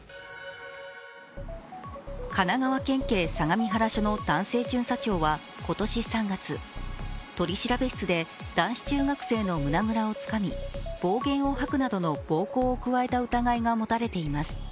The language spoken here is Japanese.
神奈川県警相模原署の男性巡査長は今年３月、取調室で男子中学生の胸倉をつかみ暴言を吐くなどの暴行を加えた疑いが持たれています。